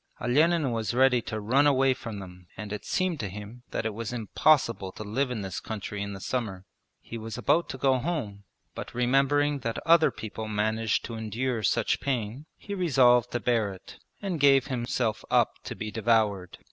Olenin was ready to run away from them and it seemed to him that it was impossible to live in this country in the summer. He was about to go home, but remembering that other people managed to endure such pain he resolved to bear it and gave himself up to be devoured.